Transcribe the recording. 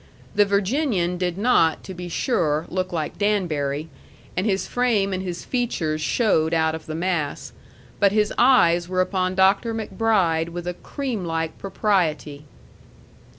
The Virginian did not, to be sure, look like Danbury, and his frame and his features showed out of the mass; but his eyes were upon Dr. MacBride with a creamlike propriety.